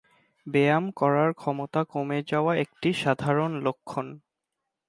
ব্যায়াম করার ক্ষমতা কমে যাওয়া একটি সাধারণ লক্ষণ।